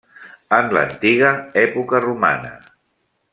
En l'antiga època romana.